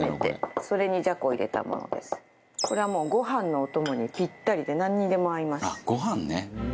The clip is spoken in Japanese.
これはもうご飯のお供にピッタリでなんにでも合います。